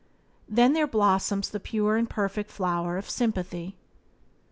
Then there blossoms the pure and perfect flower of sympathy.